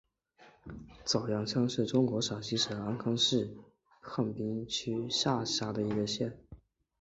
早阳乡是中国陕西省安康市汉滨区下辖的一个乡。